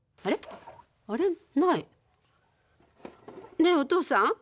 ねえおとうさん。